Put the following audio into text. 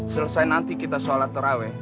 selesai nanti kita sholat terawih